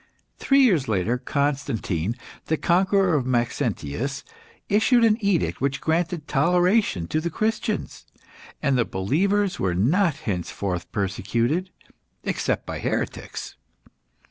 Three years later, Constantine, the conquerer of Maxentius, issued an edict which granted toleration to the Christians, and the believers were not henceforth persecuted, except by heretics.